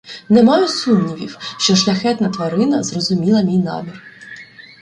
Не маю сумнівів, що шляхетна тварина зрозуміла мій намір.